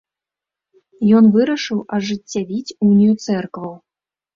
Ён вырашыў ажыццявіць унію цэркваў.